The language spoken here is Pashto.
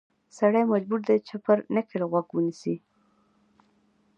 سړی مجبور دی چې پر نکل غوږ ونیسي.